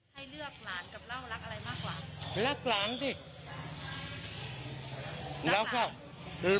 ให้เลือกหลานกับเหล้ารักอะไรมากกว่ารักหลานสิ